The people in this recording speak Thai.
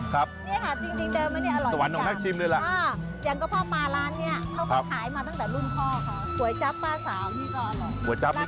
ค่ะค่อยความค่ะที่นี่เป็นสวรรค์คนจีน